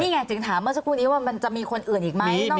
ไงถึงถามเมื่อสักครู่นี้ว่ามันจะมีคนอื่นอีกไหม